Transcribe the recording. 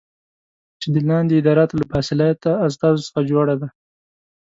چې د لاندې اداراتو له باصلاحیته استازو څخه جوړه دی